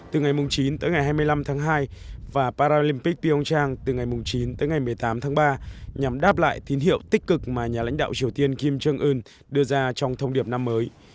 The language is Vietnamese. từ ngày chín hai mươi năm hai và paralympic pyeongchang từ ngày chín một mươi tám ba nhằm đáp lại tín hiệu tích cực mà nhà lãnh đạo triều tiên kim jong un đưa ra trong thông điệp năm mới